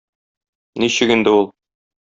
Ничек инде ул?